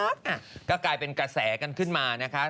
อ่ะก็กลายเป็นกระแสกันขึ้นมานะคะ